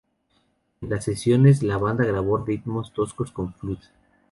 En las sesiones, la banda grabó ritmos toscos con Flood.